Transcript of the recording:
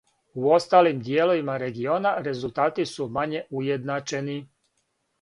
У осталим дијеловима региона резултати су мање уједначени.